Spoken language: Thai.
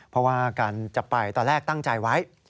เพราะว่าการจะไปตอนแรกตั้งใจไว้